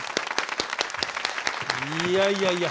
いやいやいや。